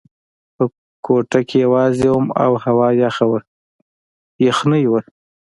په کوټه کې یوازې وم او هوا یخه وه، یخنۍ وه.